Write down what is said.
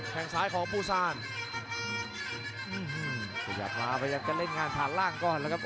แข่งซ้ายของภูซานขยับมาประจำจะเล่นงานฐานล่างก่อนแล้วครับ